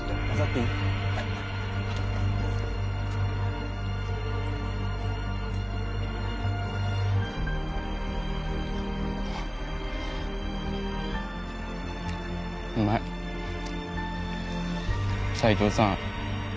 はいうまい斎藤さん